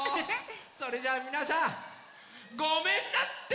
それじゃみなさんごめんなすって！